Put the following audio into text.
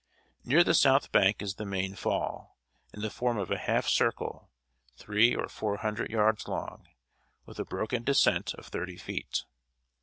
Near the south bank is the main fall, in the form of a half circle, three or four hundred yards long, with a broken descent of thirty feet.